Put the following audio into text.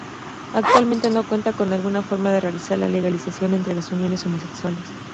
Actualmente no cuenta con alguna forma de realizar la legalización entre las uniones homosexuales.